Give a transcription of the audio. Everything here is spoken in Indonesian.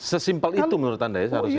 sesimpel itu menurut anda ya seharusnya